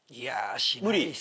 無理？